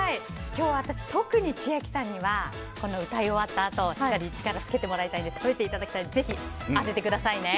今日は私、特に千秋さんには歌い終わったあとなのでしっかり力つけてもらいたいので食べていただきたいのでぜひ当ててくださいね。